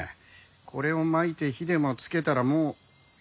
これをまいて火でもつけたらもう。